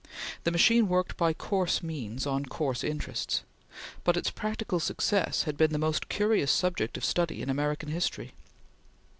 The machine worked by coarse means on coarse interests, but its practical success had been the most curious subject of study in American history.